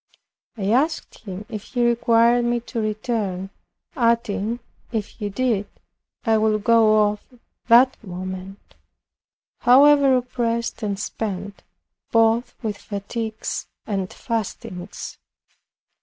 I asked him if he required me to return, adding, if he did, "I would go off that moment however oppressed and spent, both with fatigues and fastings."